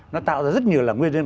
nó tạo ra rất nhiều nguyên nhân